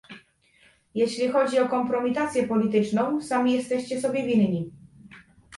Jeśli chodzi o kompromitację polityczną, sami jesteście sobie winni